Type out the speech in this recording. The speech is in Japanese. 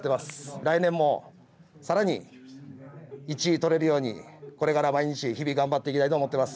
来年も、さらに１位を取れるようにこれから毎日日々頑張っていきたいと思ってます。